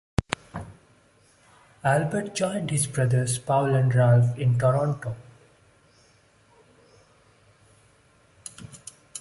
Albert joined his brothers Paul and Ralph in Toronto.